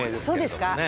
そうですか？